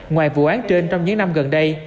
ngoài vụ án trên trong những năm gần đây